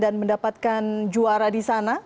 dan mendapatkan juara di sana